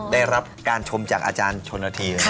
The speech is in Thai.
ได้รับการชมจากอาจารย์ชนนาธี